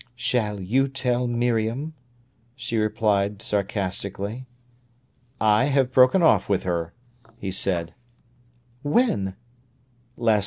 "Shall you tell Miriam?" she replied sarcastically. "I have broken off with her," he said. "When?"